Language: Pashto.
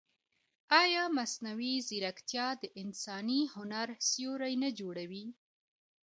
ایا مصنوعي ځیرکتیا د انساني هنر سیوری نه جوړوي؟